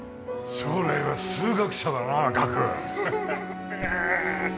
将来は数学者だな岳